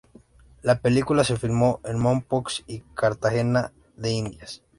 La película se filmó en Mompox y Cartagena de Indias.